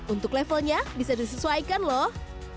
untuk levelnya bisa disesuaikan loh